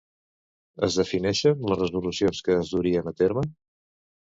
Es defineixen les resolucions que es durien a terme?